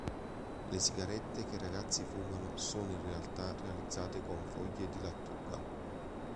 Le sigarette che i ragazzi fumano sono in realtà realizzate con foglie di lattuga.